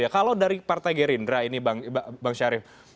kalau dari partai gerindra ini bang syarif